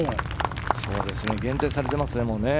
限定されていますね。